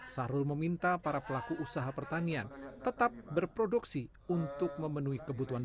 sarul meminta para pelaku usaha pertanian tetap berproduksi untuk memenuhi kebutuhan